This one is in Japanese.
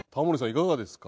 いかがですか？